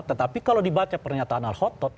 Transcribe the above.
tetapi kalau dibaca pernyataan al khotot